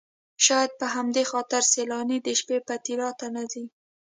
شاید په همدې خاطر سیلاني د شپې پیترا ته نه ځي.